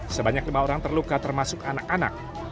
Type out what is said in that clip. sebanyak lima orang terluka termasuk anak anak